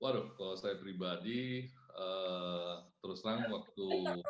waduh kalau saya pribadi terus terang waktu